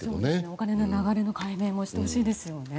お金の流れの解明もしてほしいですよね。